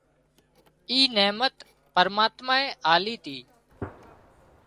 اي نحمت پرماتمائي آلي تي